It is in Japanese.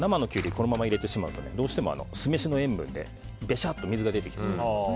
このまま入れてしまうとどうしても酢飯の塩分でべしゃっと水が出てしまいます。